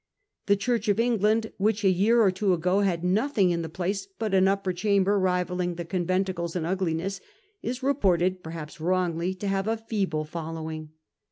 The Church of England, which a year or two ago had nothing in the ]>lacc but an upper chamber rivalling the conventicles in ugliness, is reported, perhaps wrongly, to have a feeble following.